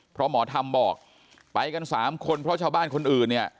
เพราะหมอธรรมบอกไปกันสามคนเพราะชาวบ้านคนอื่นเนี่ย